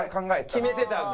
決めてたんだ。